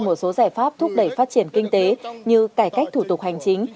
một số giải pháp thúc đẩy phát triển kinh tế như cải cách thủ tục hành chính